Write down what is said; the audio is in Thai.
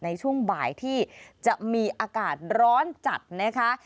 ในช่วงบ่ายที่จะมีอากาศร้อนจัดนะคะ